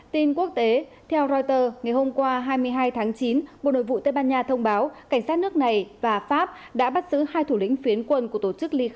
tin quốc tế theo reuters ngày hôm qua hai mươi hai tháng chín bộ nội vụ tây ban nha thông báo cảnh sát nước này và pháp đã bắt giữ hai thủ lĩnh phiến quân của tổ chức ly khai